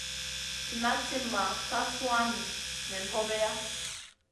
Cina timma ka suanu nen hobeya.